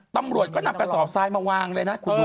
ตำรวจก็นำกระสอบทรายมาวางเลยนะคุณดู